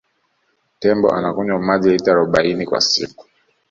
tembo anakunywa maji lita arobaini kwa siku